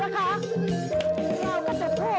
พร้อมรับแม่ฟ้าสวดน้องถวายได้องค์มหาเทศ